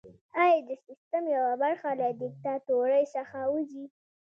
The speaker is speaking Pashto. ایا د سیستم یوه برخه له دیکتاتورۍ څخه وځي؟